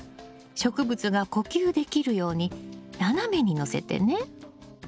植物が呼吸できるように斜めにのせてね。